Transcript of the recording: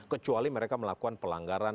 kecuali mereka melakukan pelanggaran